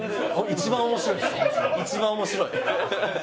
一番面白い！